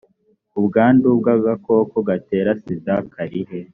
ubwandu bw agakoko gatera sida karihe